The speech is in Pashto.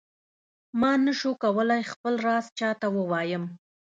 ما نه شو کولای خپل راز چاته ووایم.